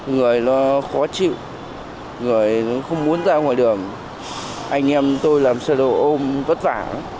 người nó khó chịu rồi nó không muốn ra ngoài đường anh em tôi làm xe đồ ôm vất vả lắm